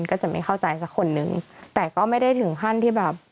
ก็จะไม่เข้าใจสักคนนึงแต่ก็ไม่ได้ถึงขั้นที่แบบ